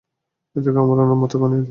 এদেরকে আমার উম্মত বানিয়ে দিন।